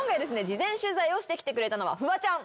事前取材をしてきてくれたのはフワちゃん